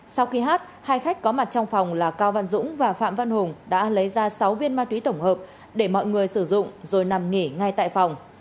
sau khi hát hai khách có mặt trong phòng là cao văn dũng và phạm văn hùng đã lấy ra sáu viên ma túy tổng hợp để mọi người sử dụng rồi nằm nghỉ ngay tại phòng